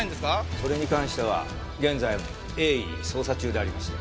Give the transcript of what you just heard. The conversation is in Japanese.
それに関しては現在も鋭意捜査中でありまして。